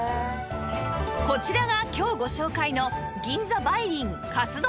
こちらが今日ご紹介の